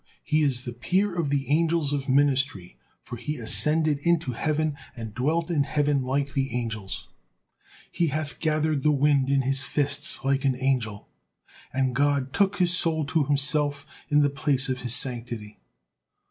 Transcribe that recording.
He is the peer of the angels of ministry, for he ascended into heaven and dwelt in heaven like the angels, 'he hath gathered the wind in his fists' like an angel, and God took his soul to Himself in the place of His sanctity.